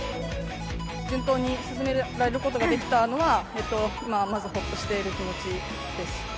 順当に進められることができたのは、まずほっとしている気持ちです。